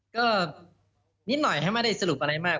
ก็นิดหน่อยให้ไม่ได้สรุปอะไรมาก